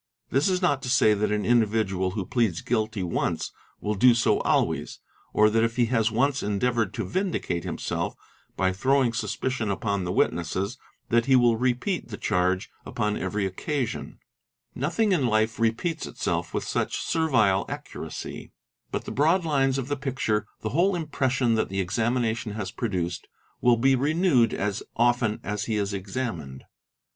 This is not to say that an individual who pleads guilty once | will do so always, or that if he has once endeavoured to vindicate himself by throwing suspicion upon the witnesses, that he will repeat the charge upon every occasion; nothing in life repeats itself with such servile ~ accuracy ; but the broad lines of the picture, the whole impression that — the examination has produced, will be renewed as often as he is examined.